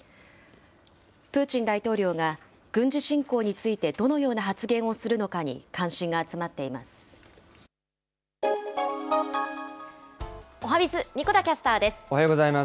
プーチン大統領が、軍事侵攻についてどのような発言をするのかにおはＢｉｚ、神子田キャスタおはようございます。